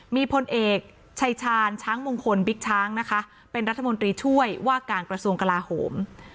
มีพลเอกชายชาญช้างมงคลบิ๊กช้างนะคะเป็นรัฐมนตรีช่วยว่าการกระทรวงกลาโหม